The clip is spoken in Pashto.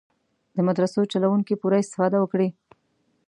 د مدرسو چلوونکي پوره استفاده وکړي.